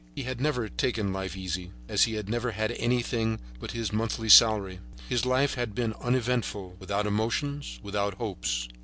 He had never taken life easy, as he had never had anything but his monthly salary. His life had been uneventful, without emotions, without hopes.